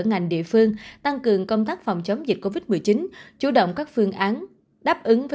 ngành địa phương tăng cường công tác phòng chống dịch covid một mươi chín chủ động các phương án đáp ứng với